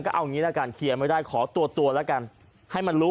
ก็เอางี้ละกันเคลียร์ไม่ได้ขอตัวแล้วกันให้มันรู้